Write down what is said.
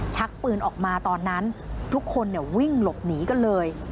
ชักปืนออกมาตอนนั้นทุกคนวิ่งหลบหนีกันเลย